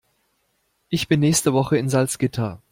Ich bin nächste Woche in Salzgitter